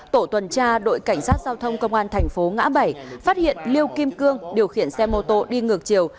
tổ tuần tra đội cảnh sát giao thông công an thành phố ngã bảy phát hiện liêu kim cương điều khiển xe mô tô đi ngược chiều